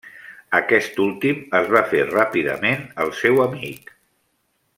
Aquest últim es va fer ràpidament el seu amic.